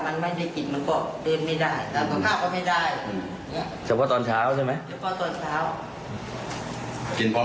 กินพร้อมกาแฟมันจะทำให้มีกำลัง